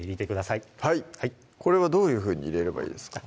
はいこれはどういうふうに入れればいいですか？